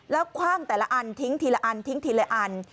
แล้วคว่างแต่ละอันทิ้งทีละอันทิ้งทีละอัน